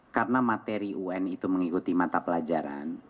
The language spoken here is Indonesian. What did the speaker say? karena materi un itu mengikuti mata pelajaran